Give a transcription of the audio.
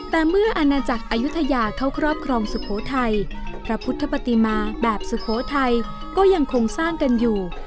แต่เมื่ออาณาจักรอายุทยาเข้าครอบครองสุโขทัยพระพุทธปฏิมาแบบสุโขทัยก็ยังคงสร้างกันอยู่